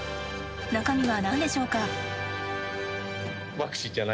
中身は何でしょうか？